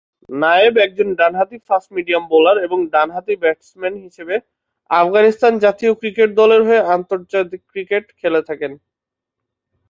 নায়েব একজন ডানহাতি ফাস্ট মিডিয়াম বোলার এবং ডানহাতি ব্যাটসম্যান হিসেবে আফগানিস্তান জাতীয় ক্রিকেট দলের হয়ে আন্তর্জাতিক ক্রিকেট খেলে থাকেন।